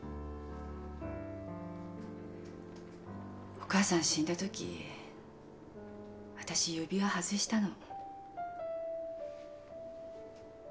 お母さん死んだときわたし指輪外したの。